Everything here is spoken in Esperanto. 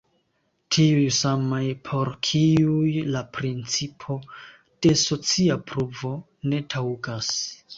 Tiuj samaj, por kiuj la principo de socia pruvo ne taŭgas.